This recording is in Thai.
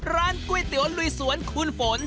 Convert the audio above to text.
ร้านก๋วยเตี๋ยวลุยสวนคุณฝน